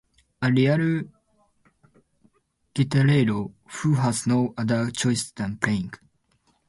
A real guitarero, who has no other choice than playing.